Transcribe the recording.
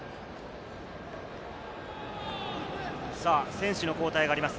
選手の交代があります